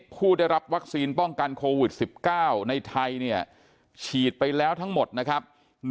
ผู้ได้รับวัคซีนป้องกันโควิด๑๙ในไทยเนี่ยฉีดไปแล้วทั้งหมดนะครับ